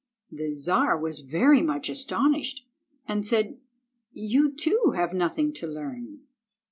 The Czar was very much astonished, and said— "You, too, have nothing to learn."